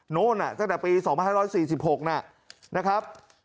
โน้นน่ะตั้งแต่ปี๒๔๖นะครับ